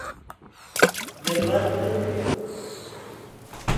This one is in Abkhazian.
Иабардыруеи?!